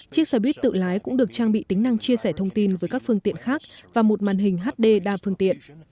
chiếc xe buýt tự lái cũng được trang bị tính năng chia sẻ thông tin với các phương tiện khác và một màn hình hd đa phương tiện